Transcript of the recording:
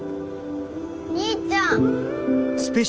兄ちゃん。